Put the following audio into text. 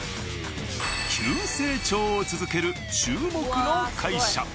急成長を続ける注目の会社。